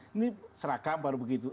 ini seragam baru begitu